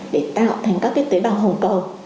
để tạo thành các cái tế bào hồng cầu